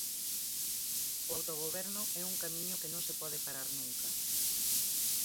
O autogoberno é un camiño que non se pode parar nunca.